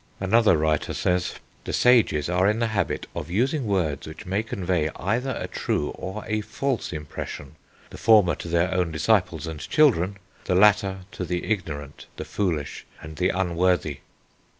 Another writer says: "The Sages are in the habit of using words which may convey either a true or a false impression; the former to their own disciples and children, the latter to the ignorant, the foolish, and the unworthy."